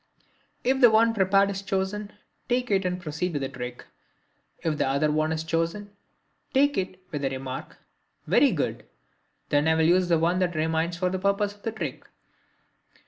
If the prepared one is chosen take it and proceed with the trick. If the other one is chosen take it with the remark: "Very good, then I will use the one that remains for the purpose of the trick."